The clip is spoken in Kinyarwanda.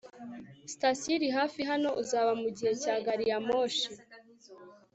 sitasiyo iri hafi hano uzaba mugihe cya gari ya moshi